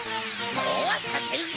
そうはさせるか！